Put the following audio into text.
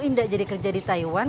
pindah jadi kerja di taiwan